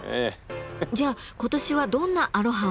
じゃあ今年はどんなアロハを？